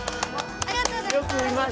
ありがとうございます！